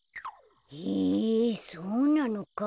へえそうなのか。